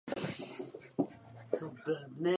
Střelecky se neprosadil.